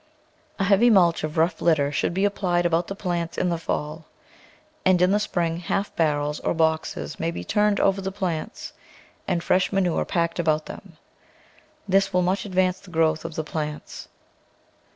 A heavy mulch of rough litter should be applied about the plants in the fall, and in the spring half barrels or boxes may be turned over the plants and fresh manure packed about them; this will much advance the growth of the plants.